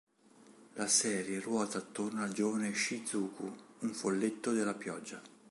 La serie ruota attorno al giovane Shizuku: un folletto della pioggia.